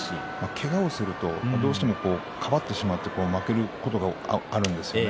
けがをするとどうしてもかばってしまって負けることが多いですよね